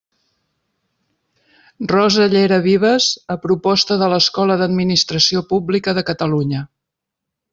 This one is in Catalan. Rosa llera Vives, a proposta de l'Escola d'Administració Pública de Catalunya.